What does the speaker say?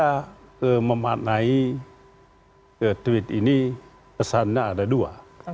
kita memaknai tweet ini pesannya ada dua